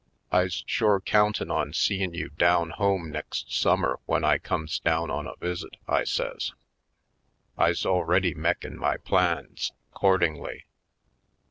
*'I's shore countin' on seein' you down home next summer w'en I comes down on a visit," I says; "I's already mekin' my plans 'cordin'ly.